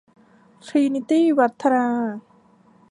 ทรีนีตี้ วัฒนา